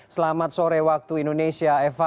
selamat sore waktu indonesia eva